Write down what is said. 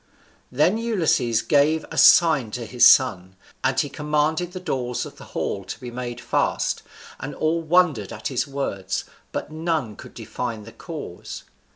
Then Ulysses gave a sign to his son, and he commanded the doors of the hall to be made fast, and all wondered at his words, but none could divine the cause.